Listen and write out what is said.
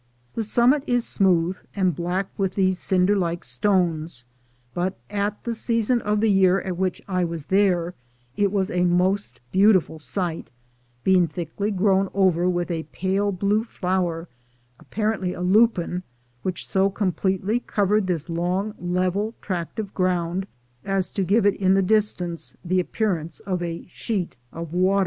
The summit is smooth, and black with these cinder like stones; but at the season of the year at which I was there, it was a most beautiful sight, being thickly grown over with a pale blue flower, apparently a lupin, which so completely covered this long level tract of ground as to give it in the distance the appearance of a sheet of water.